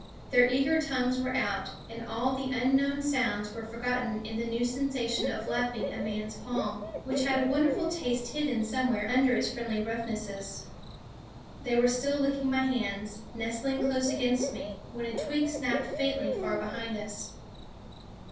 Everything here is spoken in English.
Their eager tongues were out, and all the unknown sounds were forgotten in the new sensation of lapping a man's palm, which had a wonderful taste hidden somewhere under its friendly roughnesses. They were still licking my hands, nestling close against me, when a twig snapped faintly far behind us.